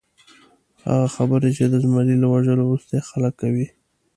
هغه خبرې چې د زمري له وژلو وروسته یې خلک کوي.